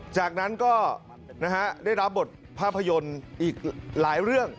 จากนั้นก็ได้รับบทภาพยนตร์อีกหลายเรื่อง